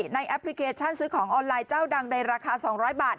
แอปพลิเคชันซื้อของออนไลน์เจ้าดังในราคา๒๐๐บาท